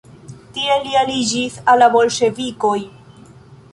Tie li aliĝis al la Bolŝevikoj.